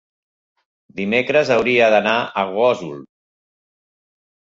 dimecres hauria d'anar a Gósol.